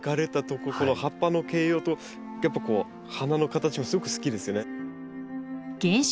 この葉っぱの形容とやっぱこう花の形もすごく好きですね。